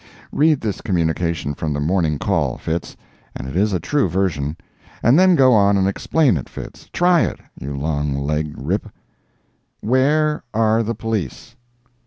Read this communication from the Morning Call, Fitz—and it is a true version—and then go on and explain it, Fitz—try it, you long legged rip! WHERE ARE THE POLICE?